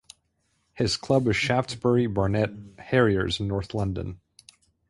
His club is Shaftesbury Barnet Harriers in North London.